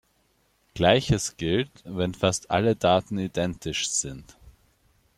Gleiches gilt, wenn fast alle Daten identisch sind.